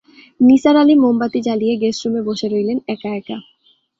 নিসার আলি মোমবাতি জ্বালিয়ে গেষ্টরুমে বসে রইলেন একা-একা!